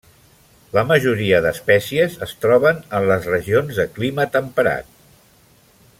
La majoria d'espècies es troben en les regions de clima temperat.